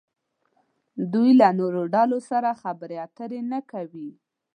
دوی له نورو ډلو سره خبرې اترې نه کوي.